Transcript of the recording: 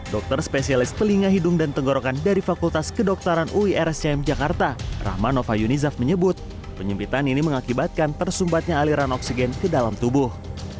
dokter spesialis telinga hidung dan tenggorokan dari fakultas kedokteran uirscm jakarta rahman nova yunizav menyebut penyempitan ini mengakibatkan tersumbatnya aliran oksigen ke dalam tubuh